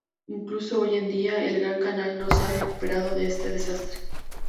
Incluso hoy en día, el Gran Canal no se ha recuperado de este desastre.